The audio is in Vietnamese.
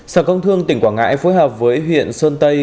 sở công thương tỉnh quảng ngãi phối hợp với huyện sơn tây